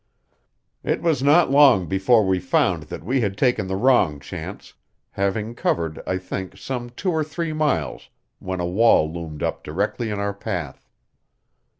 It was not long before we found that we had taken the wrong chance, having covered, I think, some two or three miles when a wall loomed up directly in our path.